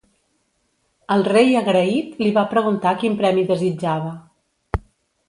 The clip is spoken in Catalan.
El rei agraït li va preguntar quin premi desitjava.